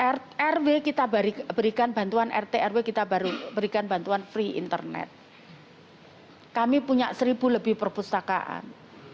rtrw kita berikan bantuan rtrw kita berikan bantuan free internet kami punya seribu lebih perpustakaan